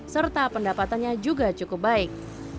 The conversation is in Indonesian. serta pendapatannya juga cukup baik